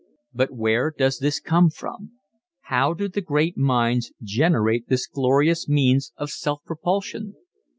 But where does this come from? How do the great minds generate this glorious means of self propulsion?